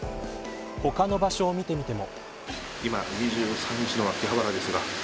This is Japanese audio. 他の場所を見てみても。